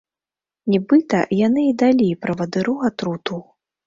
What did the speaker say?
Нібыта, яны і далі правадыру атруту.